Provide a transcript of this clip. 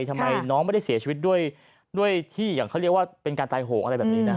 ทำไมน้องไม่ได้เสียชีวิตด้วยที่อย่างเขาเรียกว่าเป็นการตายโหงอะไรแบบนี้นะ